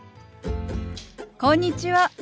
こんにちは。